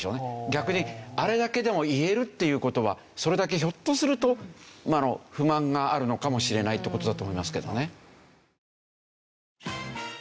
逆にあれだけでも言えるっていう事はそれだけひょっとすると不満があるのかもしれないって事だと思いますけどね。